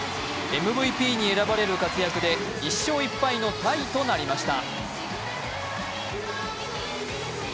ＭＶＰに選ばれる活躍で１勝１敗のタイとなりました。